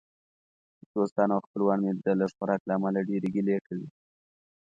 دوستان او خپلوان مې د لږ خوراک له امله ډېرې ګیلې کوي.